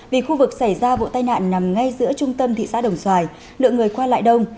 vì khu vực xảy ra vụ tai nạn nằm ngay giữa trung tâm thị xã đồng xoài lượng người qua lại đông